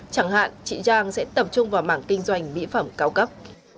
chẳng hạn chị trang sẽ tập trung vào mảng kinh doanh mỹ phẩm cao cấp